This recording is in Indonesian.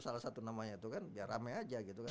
salah satu namanya itu kan biar rame aja gitu kan